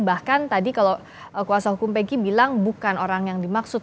bahkan tadi kalau kuasa hukum peki bilang bukan orang yang dimaksud